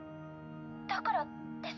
だからです。